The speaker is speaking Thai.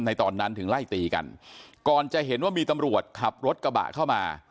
ตอนนั้นถึงไล่ตีกันก่อนจะเห็นว่ามีตำรวจขับรถกระบะเข้ามา